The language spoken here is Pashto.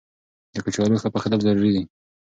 د کچالو ښه پخېدل ضروري دي.